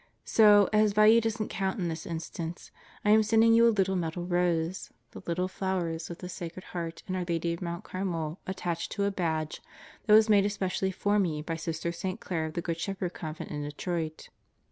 So, as value doesn't count in this instance, I am sending you a little metal rose, the Little Flower's, with the Sacred Heart and Our Lady of Mt Carmel attached to a badge that was made especially for me by Sister St Clare of the Good Shepherd Convent in Detroit.